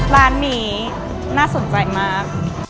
ร้านนี้น่าสนใจมาก